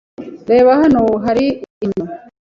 Reba! Hano hari ikamyo!